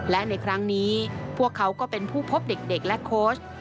และในครั้งนี้พวกเขาก็เป็นผู้พบเด็กและโค้ช